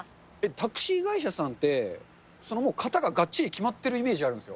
タクシー会社さんって、もう型ががっちり決まってるイメージあるんですよ。